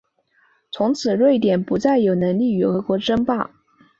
从此瑞典不再有能力与俄国争霸。